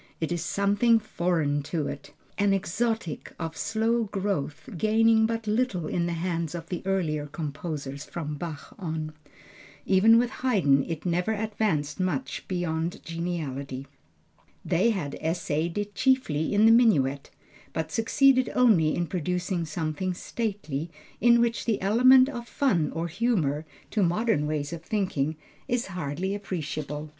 It is something foreign to it, an exotic, of slow growth, gaining but little in the hands of the earlier composers from Bach on. Even with Haydn it never advanced much beyond geniality. They had essayed it chiefly in the minuet, but succeeded only in producing something stately, in which the element of fun or humor, to modern ways of thinking is hardly appreciable.